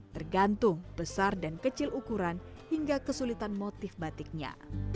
tergantung besar dan kecil ukuran hingga kesulitan motif batiknya